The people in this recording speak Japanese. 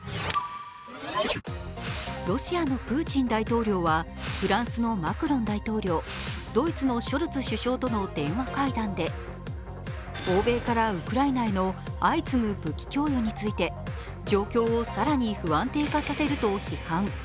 ロシアのプーチン大統領はフランスのマクロン大統領、ドイツのショルツ首相との電話会談で欧米からウクライナへの相次ぐ武器供与について状況を更に不安定化させると批判。